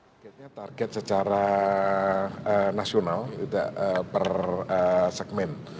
targetnya target secara nasional per segmen